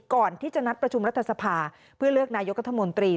ก่อนที่จะนัดประชุมรัฐสภาเพื่อเลือกนายกรัฐมนตรี